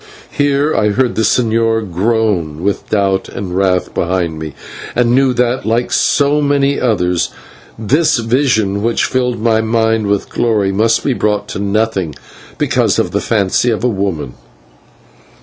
Here I heard the señor groan with doubt and wrath behind me, and knew that, like so many others, this vision which filled my mind with glory must be brought to nothing because of the fancy of a woman.